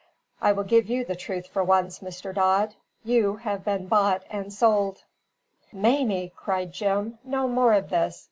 I will give you the truth for once. Mr. Dodd, you have been bought and sold." "Mamie," cried Jim, "no more of this!